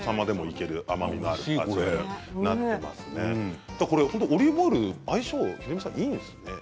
秀美さん、オリーブオイルと相性がいいんですね。